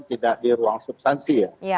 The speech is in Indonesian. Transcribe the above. tidak di ruang substansi ya